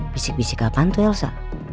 bisik bisik apaan tuh elsa